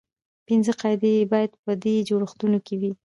پنځه قاعدې باید په دې جوړښتونو کې وي.